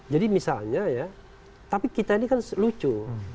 jadi misalnya ya tapi kita ini kan lucu